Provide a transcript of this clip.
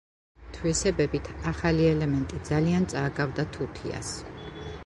თვისებებით ახალი ელემენტი ძალიან წააგავდა თუთიას.